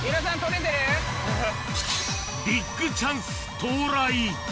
ビッグチャンス到来。